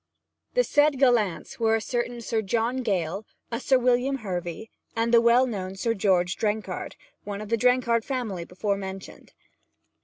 The said gallants were a certain Sir John Gale, a Sir William Hervy, and the well known Sir George Drenghard, one of the Drenghard family before mentioned.